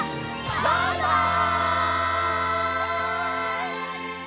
バイバイ！